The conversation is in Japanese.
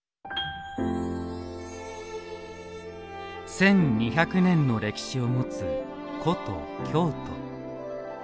１２００年の歴史を持つ古都・京都。